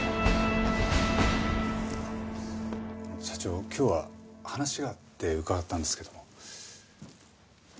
社長今日は話があって伺ったんですけども。